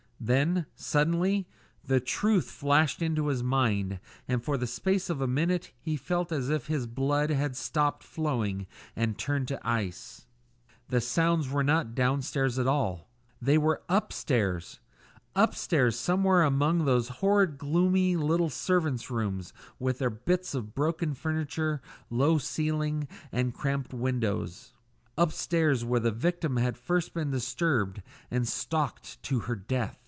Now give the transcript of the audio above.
Then, suddenly, the truth flashed into his mind, and for the space of a minute he felt as if his blood had stopped flowing and turned to ice. The sounds were not downstairs at all; they were upstairs upstairs, somewhere among those horrid gloomy little servants' rooms with their bits of broken furniture, low ceilings, and cramped windows upstairs where the victim had first been disturbed and stalked to her death.